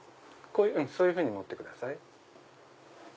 そういうふうに持ってください。